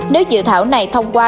nếu dự thảo này thông qua